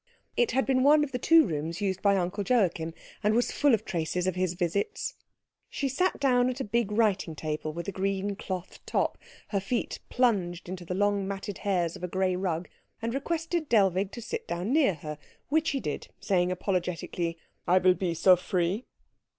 It had been one of the two rooms used by Uncle Joachim, and was full of traces of his visits. She sat down at a big writing table with a green cloth top, her feet plunged in the long matted hairs of a grey rug, and requested Dellwig to sit down near her, which he did, saying apologetically, "I will be so free."